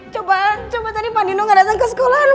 coba coba tadi panino gak datang ke sekolah